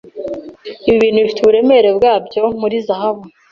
Ibi bintu bifite uburemere bwabyo muri zahabu!